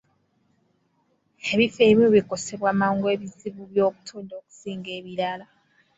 Ebifo ebimu bikosebwa mangu ebizibu by'obutonde okusinga ebirala.